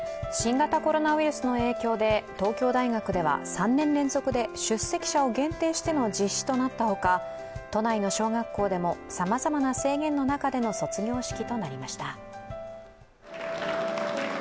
新型コロナウイルスの影響で東京大学では３年連続で出席者を限定しての実施となったほか、都内の小学校でもさまざまな制限の中での卒業式となりました。